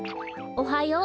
おはよう。